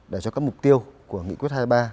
để cho các mục tiêu của nghị quyết hai mươi ba